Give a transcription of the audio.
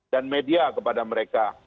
dan media kepada mereka